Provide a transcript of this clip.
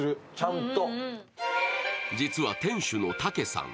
実は店主のタケさん。